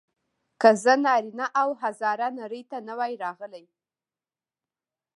که زه نارینه او هزاره نړۍ ته نه وای راغلی.